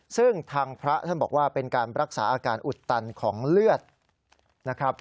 ซึ่งทางพระท่านบอกว่าเป็นการรักษาอาการอุดตันของเลือดนะครับ